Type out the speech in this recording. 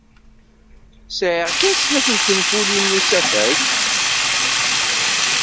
Sɛiɣ kan snat n tenfulin n usafag.